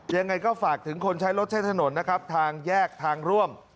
ยังไงก็ฝากถึงคนใช้รถใช้ถนนนะครับทางแยกทางร่วม